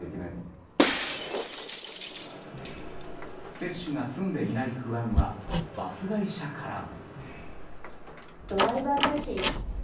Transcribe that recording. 接種が済んでいない不安はバス会社からも。